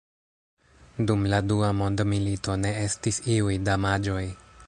Dum la Dua mondmilito ne estis iuj damaĝoj.